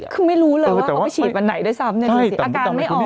คือไม่รู้เลยว่าข้าไปฉีดอันไหนได้ซ้ำ